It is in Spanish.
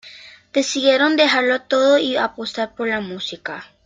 Decidieron dejarlo todo y apostar por la música.